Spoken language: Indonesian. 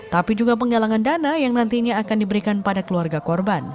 tapi juga penggalangan dana yang nantinya akan diberikan pada keluarga korban